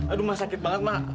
aduh ma sakit banget ma